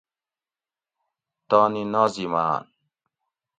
تانی ناظماۤن